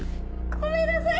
ごめんなさい！